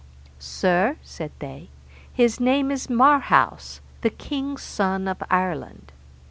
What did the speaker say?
Sir, said they, his name is Marhaus, the king's son of Ireland.